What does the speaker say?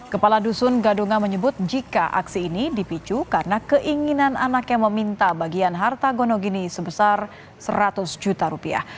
kepala dusun gadungan menyebut jika aksi ini dipicu karena keinginan anaknya meminta bagian harta gonogini sebesar seratus juta rupiah